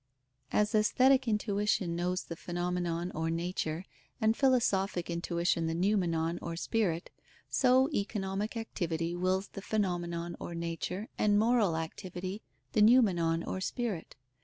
_ As aesthetic intuition knows the phenomenon or nature, and philosophic intuition the noumenon or spirit; so economic activity wills the phenomenon or nature, and moral activity the noumenon or spirit.